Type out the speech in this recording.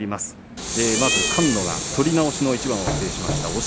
まず菅野が取り直しの一番を制しました。